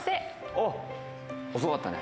おっ、遅かったね。